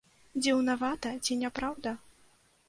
Дзіўнавата, ці не праўда?